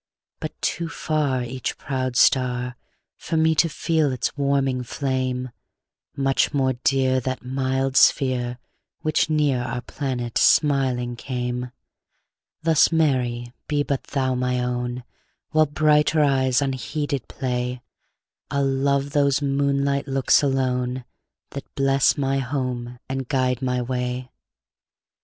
But too farEach proud star, For me to feel its warming flame; Much more dear, That mild sphere, Which near our planet smiling came; Thus, Mary, be but thou my own; While brighter eyes unheeded play, I'll love those moonlight looks alone, That bless my home and guide my way.